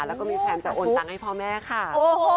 แล้วก็มีแพลนจะโอนตังค์ให้พ่อแม่ค่ะ